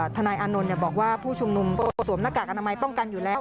นายอานนท์บอกว่าผู้ชุมนุมสวมหน้ากากอนามัยป้องกันอยู่แล้ว